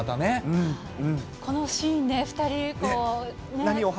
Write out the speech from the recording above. このシーンね、２人。